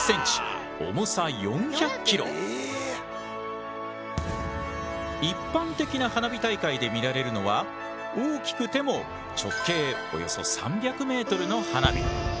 すごい！一般的な花火大会で見られるのは大きくても直径およそ３００ｍの花火。